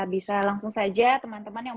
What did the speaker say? bisa langsung saja teman teman yang